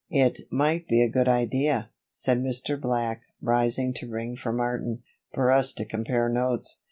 "It might be a good idea," said Mr. Black, rising to ring for Martin, "for us to compare notes.